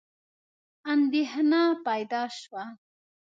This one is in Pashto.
اندېښنه پیدا شوه.